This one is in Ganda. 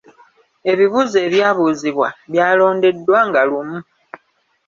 Ebibuuzo ebyabuuzibwa byalondeddwa nga lumu.